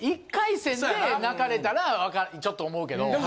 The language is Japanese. １回戦で泣かれたらちょっと思うけど。